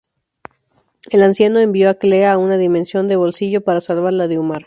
El Anciano envió a Clea a una dimensión de bolsillo para salvarla de Umar.